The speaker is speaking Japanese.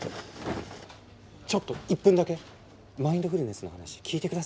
ちょっと１分だけマインドフルネスの話聞いて下さいよ。